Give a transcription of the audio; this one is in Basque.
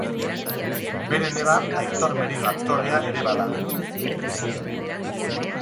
Bere neba Aitor Merino aktorea ere bada.